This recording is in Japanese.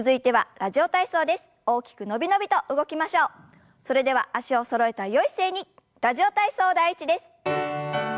「ラジオ体操第１」です。